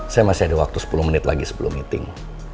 saya masih ada waktu sepuluh menit lagi sebelum meeting